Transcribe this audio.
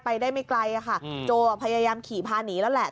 ไปได้ไม่ไกลค่ะโจพยายามขี่พาหนีแล้วแหละ